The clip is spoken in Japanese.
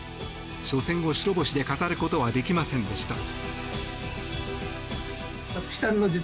初戦を白星で飾ることはできませんでした。